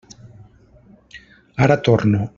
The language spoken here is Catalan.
Ara torno.